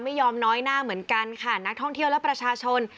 ไม่ยอมน้อยหน้าเหมือนกันค่ะนักท่องเที่ยวและประชาชน